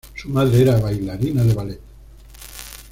Su madre era bailarina de ballet.